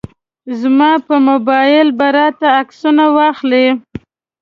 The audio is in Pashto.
زما په موبایل به راته عکسونه واخلي.